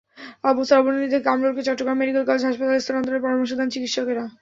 অবস্থার অবনতি দেখে কামরুলকে চট্টগ্রাম মেডিকেল কলেজ হাসপাতালে স্থানান্তরের পরামর্শ দেন চিকিৎসকেরা।